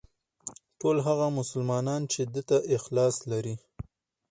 ټول هغه مسلمانان چې ده ته اخلاص لري.